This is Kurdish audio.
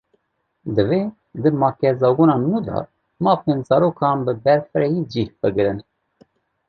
Divê di makezagona nû de mafên zarokan, bi berfirehî cih bigirin